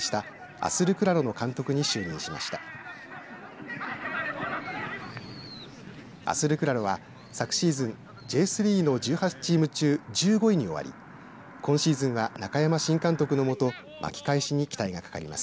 アスルクラロは、昨シーズンＪ３の１８チーム中１５位に終わり今シーズンは、中山新監督の下巻き返しに期待がかかります。